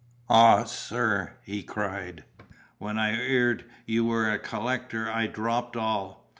"Ah, sir," he cried, "when I 'eard you was a collector, I dropped all.